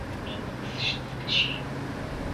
დაამთავრა საბჭოთა კავშირის სუკ-ის აკადემია ქალაქ მინსკში.